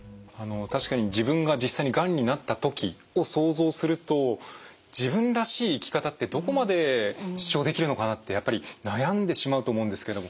確かに自分が実際にがんになった時を想像すると自分らしい生き方ってどこまで主張できるのかなってやっぱり悩んでしまうと思うんですけども。